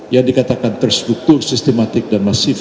yang dikatakan terstruktur sistematik dan masif